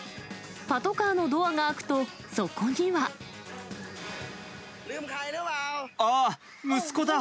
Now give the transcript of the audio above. パトカーのドアが開くと、そこには。ああ、息子だ！